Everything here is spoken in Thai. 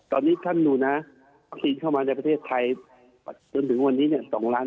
ตอนนี้ท่านดูนะวัคซีนเข้ามาในประเทศไทยจนถึงวันนี้เนี่ย